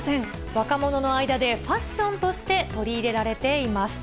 若者の間で、ファッションとして取り入れられています。